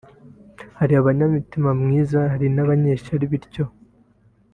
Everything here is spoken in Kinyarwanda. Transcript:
hari abanyamutima mwiza hari abanyeshyari…bityo